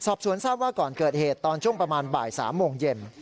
สอบสวนทราบว่าก่อนเกิดเหตุตอนช่วงประมาณบ่าย๓โมงเย็น